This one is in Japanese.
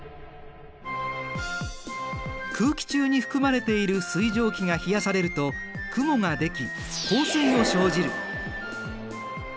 空気中に含まれている水蒸気が冷やされると雲ができ降水を生じる。